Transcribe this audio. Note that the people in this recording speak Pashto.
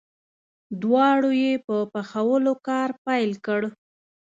دواړو یې په پخولو کار پیل کړ.